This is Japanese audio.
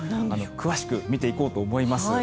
詳しく見ていこうと思います。